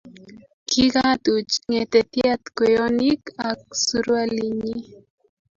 kigatuch ngetetyaat kweyonik ak surualinyi